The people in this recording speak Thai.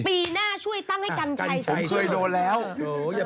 ปีหน้าช่วยตั้งให้กันชัย